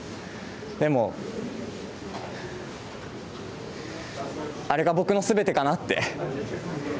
でも、あれが僕のすべてかなって。